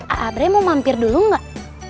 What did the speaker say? a'abrey mau mampir dulu enggak